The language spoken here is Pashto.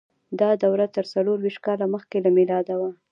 دا دوره تر څلور ویشت کاله مخکې له میلاده وه.